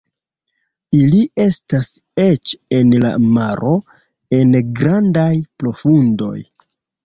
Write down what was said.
Ili estas eĉ en la maro en grandaj profundoj.